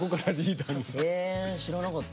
え知らなかった。